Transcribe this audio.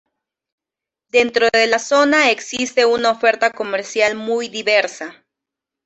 Dentro de la zona existe una oferta comercial muy diversa.